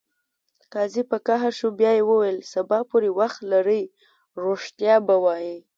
قاضي په قهر شو بیا یې وویل: سبا پورې وخت لرې ریښتیا به وایې.